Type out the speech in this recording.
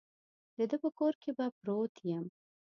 د ده په کور کې به پروت یم.